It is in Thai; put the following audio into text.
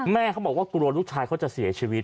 เขาบอกว่ากลัวลูกชายเขาจะเสียชีวิต